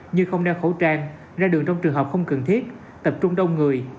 như không đeo khẩu trang ra đường trong trường hợp không cần thiết tập trung đông người